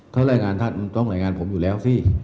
เขาแรงงานท่านมันต้องแรงงานผมอยู่แล้วสิ